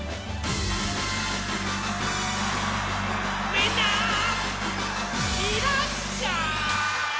みんないらっしゃい。